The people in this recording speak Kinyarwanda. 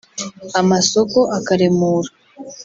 amasoko akaremura